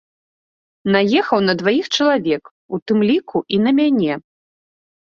Наехаў на дваіх чалавек, у тым ліку і на мяне.